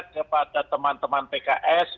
kepada teman teman pks